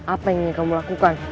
apa yang ingin kamu lakukan